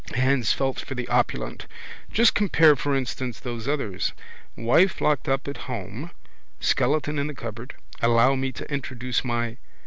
Hands felt for the opulent. Just compare for instance those others. Wife locked up at home, skeleton in the cupboard. Allow me to introduce my.